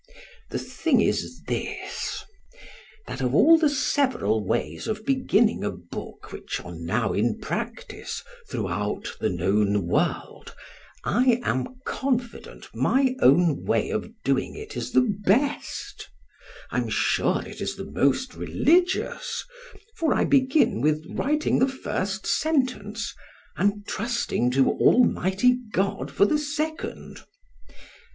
The thing is this. That of all the several ways of beginning a book which are now in practice throughout the known world, I am confident my own way of doing it is the best——I'm sure it is the most religious——for I begin with writing the first sentence——and trusting to Almighty God for the second.